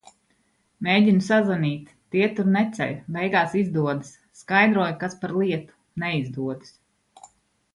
Mēģinu sazvanīt, tie tur neceļ, beigās izdodas. Skaidroju, kas par lietu, neizdodas.